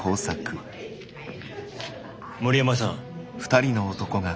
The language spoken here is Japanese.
森山さん。